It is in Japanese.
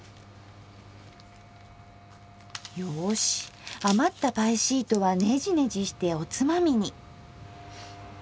よし余ったパイシートはネジネジしておつまみに。